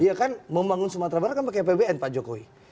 iya kan membangun sumatera barat kan pakai apbn pak jokowi